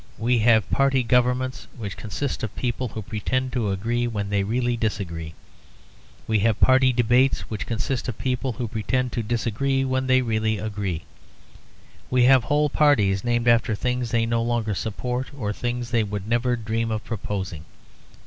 We have party governments which consist of people who pretend to agree when they really disagree. We have party debates which consist of people who pretend to disagree when they really agree. We have whole parties named after things they no longer support, or things they would never dream of proposing.